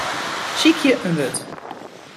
Sykje in wurd.